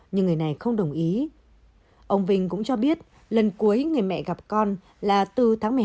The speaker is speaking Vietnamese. nhưng người này không đồng ý ông vinh cũng cho biết lần cuối người mẹ gặp con là từ tháng một mươi hai